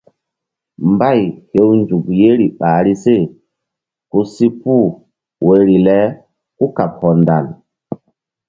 Mbay hew nzukri ɓahri se ku si puh woyri le kúkaɓ hɔndal.